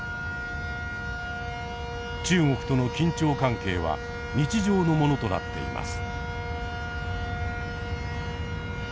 中国との緊張関係は日常のものとなっています。